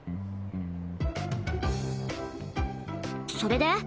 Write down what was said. それで？